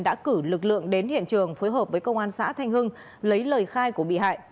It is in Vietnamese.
đã cử lực lượng đến hiện trường phối hợp với công an xã thanh hưng lấy lời khai của bị hại